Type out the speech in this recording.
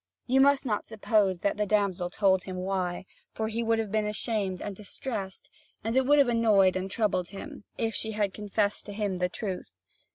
You must not suppose that the damsel told him why; for he would have been ashamed and distressed, and it would have annoyed and troubled him, if she had confessed to him the truth.